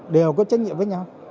đều có trách nhiệm với nhau